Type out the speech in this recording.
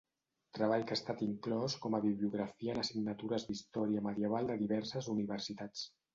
Treball que ha estat inclòs com a bibliografia en assignatures d'història medieval de diverses universitats.